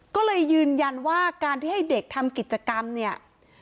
ก็เลยยืนยันว่าการที่ให้เด็กทำกิจกรรมเนี่ย